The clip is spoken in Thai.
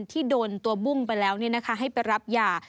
ที่โดนตัวมุ่งไปแล้วเนี่ยนะคะให้ไปรับยา